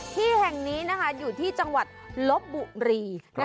ที่แห่งนี้อยู่ที่จังหวัดลบบุรี